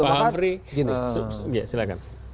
pak hamfri silakan